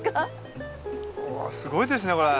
すごいですねこれ。